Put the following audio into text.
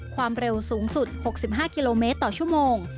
ความเร็วสูงสุด๖๕กิโลเมตรต่อชั่วโมง